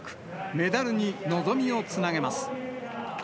メダルに望みをつなげます。